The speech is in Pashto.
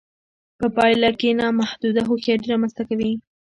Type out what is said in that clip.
په پایله کې نامحدوده هوښیاري رامنځته کوي